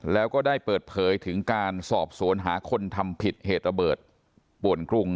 แล้วก็ได้เปิดเผยถึงการสอบสวนหาคนทำผิดเหตุระเบิดป่วนกรุง